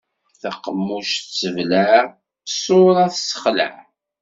Taqemmuct tesseblaɛ, ṣṣuṛa tessexlaɛ.